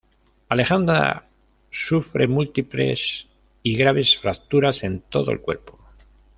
Alejandra sufre múltiples y graves fracturas en todo el cuerpo.